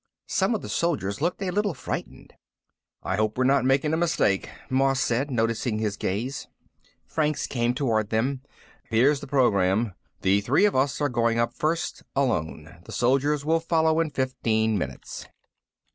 Some of the soldiers looked a little frightened. "I hope we're not making a mistake," Moss said, noticing his gaze. Franks came toward them. "Here's the program. The three of us are going up first, alone. The soldiers will follow in fifteen minutes."